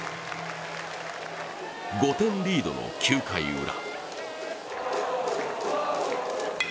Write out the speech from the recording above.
５点リードの９回ウラ。